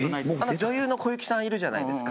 女優の小雪さんいるじゃないですか。